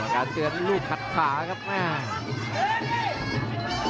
การเตือนลูกขัดขาครับแม่